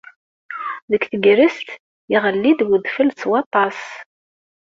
Deg tegrest, iɣelli-d udfel s waṭas.